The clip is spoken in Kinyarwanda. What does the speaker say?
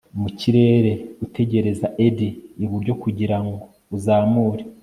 mu kirere, gutegereza eddy iburyo kugirango uzamure